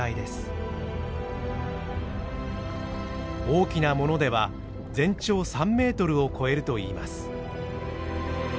大きなものでは全長３メートルを超えるといいます。